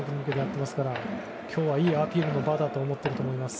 今日はいいアピールの場だと思っていると思います。